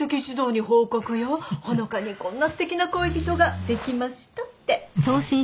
穂香にこんなすてきな恋人ができましたって。